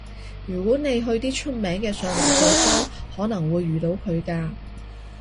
如果你去啲出名嘅上流地方，可能會遇到佢㗎